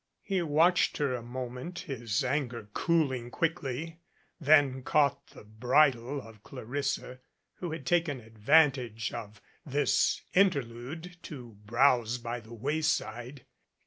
He watched her a moment, his anger cooling quickly, then caught the bridle of Clarissa who had taken advantage of this interlude to browse by the wayside.